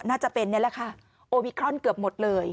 น่าจะเป็นนี่แหละค่ะโอมิครอนเกือบหมดเลย